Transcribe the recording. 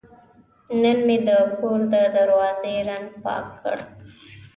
نن مې د کور د دروازې رنګ پاک کړ.